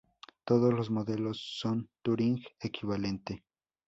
Todos los modelos son Turing equivalente.